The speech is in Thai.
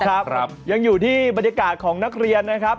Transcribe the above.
ครับยังอยู่ที่บรรยากาศของนักเรียนนะครับ